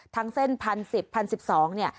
ทั้งเส้นพันสิบพันสิบสองเนี่ย